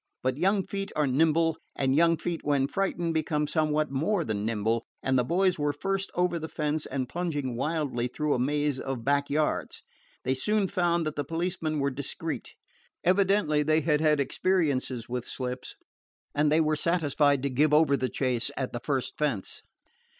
But young feet are nimble, and young feet when frightened become something more than nimble, and the boys were first over the fence and plunging wildly through a maze of back yards. They soon found that the policemen were discreet. Evidently they had had experiences in slips, and they were satisfied to give over the chase at the first fence.